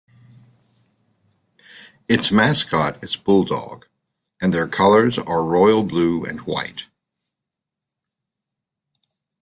Its mascot is Bulldog and their colors are royal blue and white.